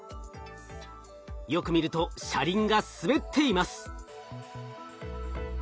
よく見ると車輪が滑っています。